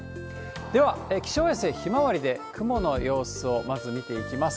では気象衛星ひまわりで、雲の様子をまず見ていきます。